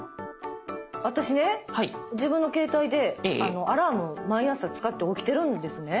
私ね自分の携帯でアラーム毎朝使って起きてるんですね。